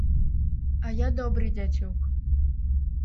А я добры дзяцюк.